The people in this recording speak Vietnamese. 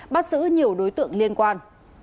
bắt giữ nhiều đối tượng liên quan